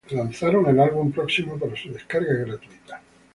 Lanzaron el álbum próximo para su descarga gratuita.